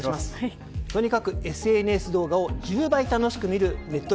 とにかくＳＮＳ動画を１０倍楽しく見るネット